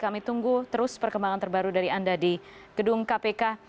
kami tunggu terus perkembangan terbaru dari anda di gedung kpk